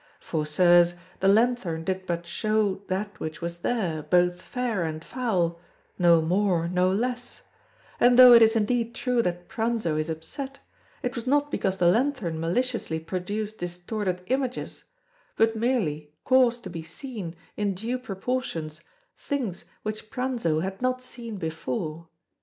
For, Sirs, the lanthorn did but show that which was there, both fair and foul, no more, no less; and though it is indeed true that Pranzo is upset, it was not because the lanthorn maliciously produced distorted images, but merely caused to be seen, in due proportions, things which Pranzo had not seen before.